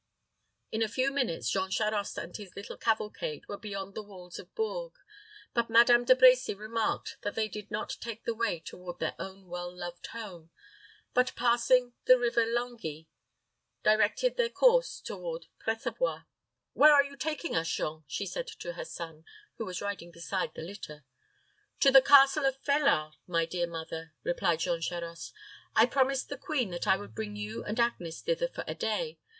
In a few minutes Jean Charost and his little cavalcade were beyond the walls of Bourges; but Madame De Brecy remarked that they did not take the way toward their own well loved home, but, passing the River Langis, directed their course toward Pressavoix. "Where are you taking us, Jean?" she said to her son, who was riding beside the litter. "To the castle of Felard, my dear mother," replied Jean Charost. "I promised the queen that I would bring you and Agnes thither for a day.